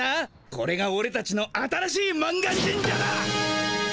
これがオレたちの新しい満願神社だ！